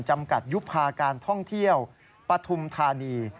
จำกัดยุภาการท่องเที่ยวปฐุมธานี